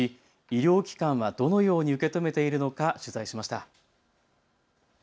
医療機関はどのように受け止めているのか取材しました。